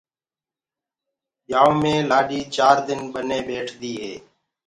ٻيآئوٚ مي لآڏي چآر دن ٻني ٻيٺديٚ هي۔